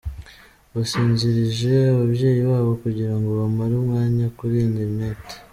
Basinzirije ababyeyi babo kugira ngo bamare umwanya kuri ‘interinete’